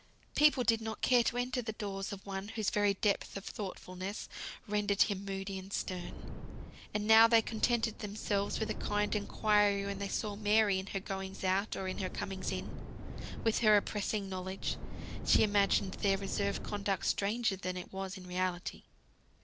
People did not care to enter the doors of one whose very depth of thoughtfulness rendered him moody and stern. And now they contented themselves with a kind inquiry when they saw Mary in her goings out or in her comings in. With her oppressing knowledge, she imagined their reserved conduct stranger than it was in reality.